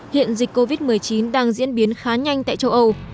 hiện dịch covid một mươi chín đang diễn biến khá nhanh tại châu âu